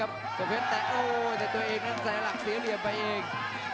เพชรแต่โอ้แต่ตัวเองนั้นเสียหลักเสียเหลี่ยมไปเอง